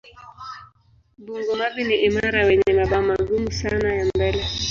Bungo-mavi ni imara wenye mabawa magumu sana ya mbele.